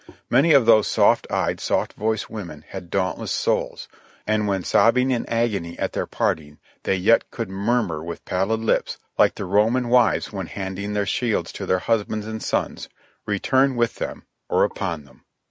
Many of those soft eyed, soft voiced women had dauntless souls, and when sobbing in agony at their parting they yet could mur mur with pallid lips, like the Roman wives when handing their shields to their husbands and sons, "Return with them — or upon them."